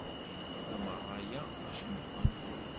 Tameɣra-a mačči nkent.